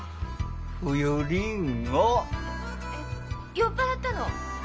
酔っ払ったの？